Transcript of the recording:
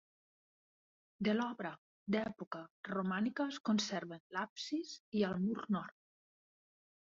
De l'obra d'època romànica es conserven l'absis i el mur nord.